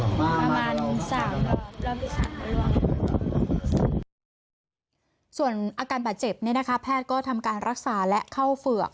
ส่วนอาการบาดเจ็บเนี่ยนะคะแพทย์ก็ทำการรักษาและเข้าเฝือก